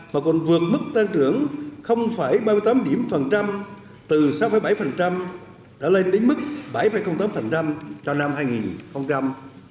mà còn vượt mức tăng trưởng ba mươi tám điểm phần trăm từ sáu bảy phần trăm đã lên đến mức bảy tám phần trăm cho năm hai nghìn một mươi tám